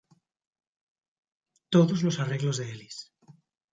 Todos los arreglos de Elis.